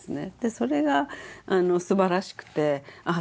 それがすばらしくてああ